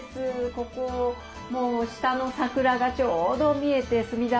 ここもう下の桜がちょうど見えて。